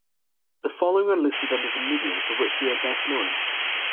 The following are listed under the medium for which they are best known.